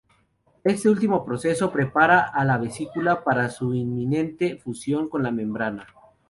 Este último proceso prepara a la vesícula para su inminente fusión con la membrana.